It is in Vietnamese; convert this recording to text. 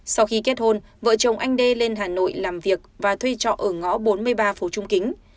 sau khi kết hôn vợ chồng anh đê lên hà nội làm việc và thuê trọ ở ngõ bốn mươi ba phố trung kính